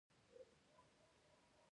موږ د خپلو هیوادوالو لپاره سوله خوښوو